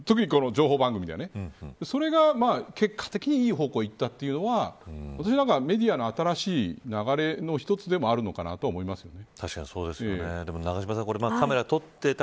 特に、この情報番組ではね。それが結果的にいい方向にいったというのは私はメディアの新しい流れの１つでもあるのかなと確かにそうですよね。